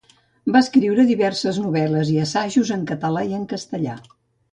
Va escriure diverses novel·les i assajos en català i en castellà.